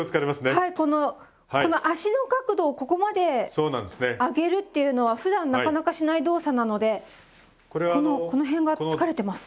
はいこの脚の角度をここまで上げるっていうのはふだんなかなかしない動作なのでこの辺が疲れてます。